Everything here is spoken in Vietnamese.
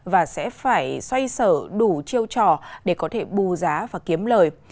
và sẽ phải xoay sở đủ chiêu trò để có thể bù giá và kiếm lời